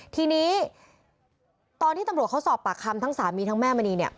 ทีนี้ตอนที่ตำรวจเขาสอบปากคำทั้งสามีทั้งแม่มณีเนี่ย